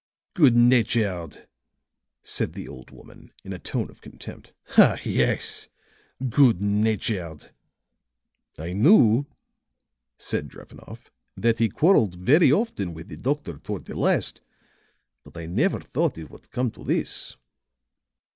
"Good natured!" said the old woman, in a tone of contempt "Ah, yes, good natured." "I knew," said Drevenoff, "that he quarreled very often with the doctor toward the last, but I never thought it would come to this."